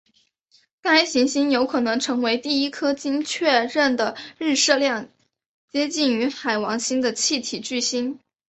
该行星有可能成为第一颗经确认的日射量接近于海王星的气体巨星。